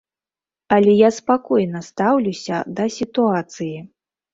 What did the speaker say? Але я спакойна стаўлюся да сітуацыі.